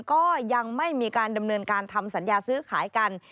ก็ยังไม่มีการดำเนินการทำสัญญาซื้อขายกัน